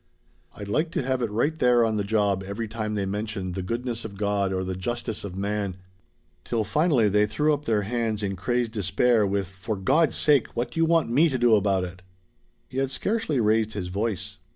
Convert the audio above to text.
I'd like to have it right there on the job every time they mentioned the goodness of God or the justice of man, till finally they threw up their hands in crazed despair with, 'For God's sake, what do you want me to do about it!'" He had scarcely raised his voice.